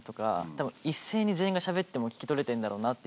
たぶん一斉に全員がしゃべっても聞き取れてんだろうなっていう。